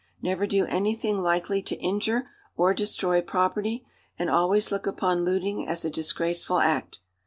Never do anything likely to injure or destroy property, and always look upon looting as a disgraceful act.